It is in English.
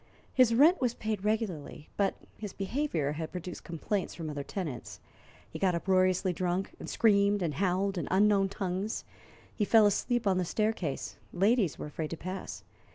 His rent was paid regularly, but his behavior had produced complaints from other tenants. He got uproariously drunk, and screamed and howled in unknown tongues. He fell asleep on the staircase, and ladies were afraid to pass.